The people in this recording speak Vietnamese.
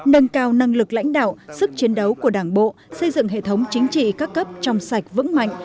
nâng cao năng lực lãnh đạo sức chiến đấu của đảng bộ xây dựng hệ thống chính trị các cấp trong sạch vững mạnh